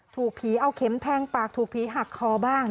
ถูกผีเอาเข็มแทงปากถูกผีหักคอบ้าง